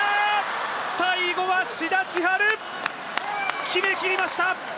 最後は志田千陽決めきりました！